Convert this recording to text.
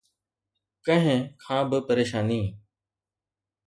ڪنهن کان به پريشاني